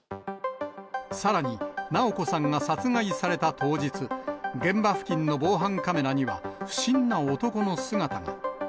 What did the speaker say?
さらに、直子さんが殺害された当日、現場付近の防犯カメラには不審な男の姿が。